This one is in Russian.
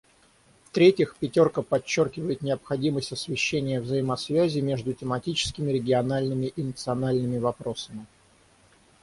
В-третьих, «пятерка» подчеркивает необходимость освещения взаимосвязи между тематическими, региональными и национальными вопросами.